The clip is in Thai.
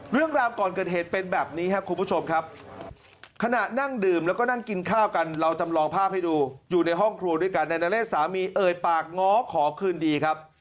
เรื่องราวก่อนเกิดเหตุเป็นแบบนี้ครับคุณผู้ชมครับ